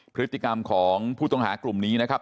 พฤติกรรมของผู้ต้องหากลุ่มนี้นะครับ